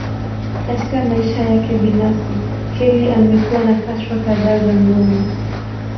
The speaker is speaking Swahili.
Katika maisha yake binafsi, Kelly amekuwa na kashfa kadhaa za ngono.